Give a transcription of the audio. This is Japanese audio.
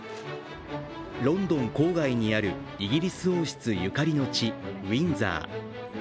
ロンドン郊外にあるイギリス王室ゆかりの地、ウィンザー。